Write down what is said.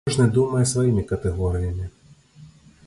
Кожны думае сваімі катэгорыямі.